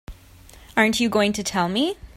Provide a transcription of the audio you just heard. Aren't you going to tell me?